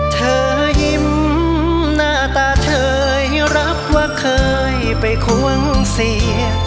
เธอยิ้มหน้าตาเฉยรับว่าเคยไปควงเสีย